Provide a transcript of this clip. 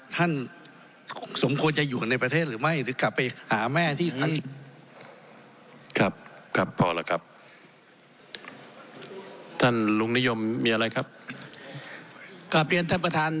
ท่านสมควรจะอยู่ในประเทศหรือไม่หรือกลับไปหาแม่ที่ท่าน